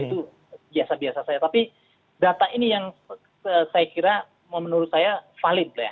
itu biasa biasa saja tapi data ini yang saya kira menurut saya valid lah ya